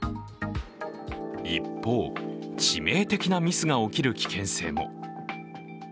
一方、致命的なミスが起きる危険性も。